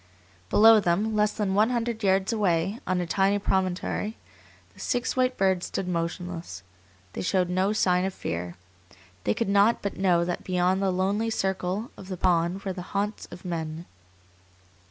Below them, less than one hundred yards away, on a tiny promontory, the six white birds stood motionless. They showed no sign of fear. They could not but know that beyond the lonely circle of the pond were the haunts of men.